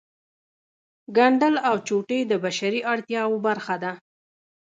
ګنډل او چوټې د بشري اړتیاوو برخه ده